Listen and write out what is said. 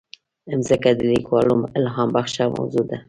مځکه د لیکوالو الهامبخښه موضوع ده.